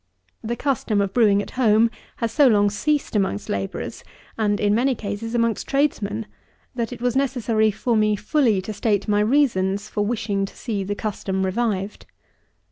The custom of brewing at home has so long ceased amongst labourers, and, in many cases, amongst tradesmen, that it was necessary for me fully to state my reasons for wishing to see the custom revived.